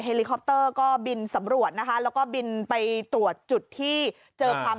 ลิคอปเตอร์ก็บินสำรวจนะคะแล้วก็บินไปตรวจจุดที่เจอความ